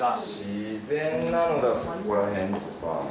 自然なのだとここら辺とか。